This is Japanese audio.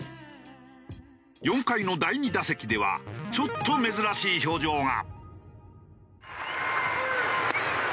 ４回の第２打席ではちょっと珍しい表情が。